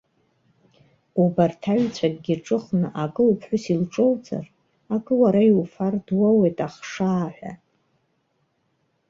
Убарҭ аҩҵәакгьы ҿыхны, акы уԥҳәыс илҿоуҵар, акы уара иуфар, дуоуеит ахшаа ҳәа.